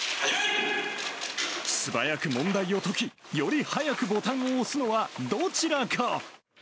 素早く問題を解き、より早くボタンを押すのはどちらか。